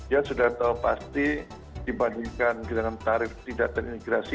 ya sudah tahu pasti dibandingkan dengan tarif tidak terintegrasi